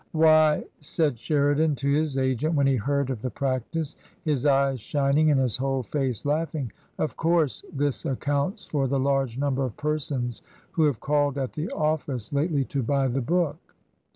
"Why," said Sheridan to his agent, when he heard of the practice, his eyes shining and his whole face laughing, "of course this accounts for the large number of persons who have called at the office lately to buy the book."